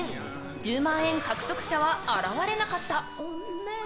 １０万円獲得者は現れなかった。